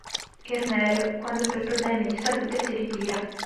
Irnerio, quando per problemi di salute si ritira.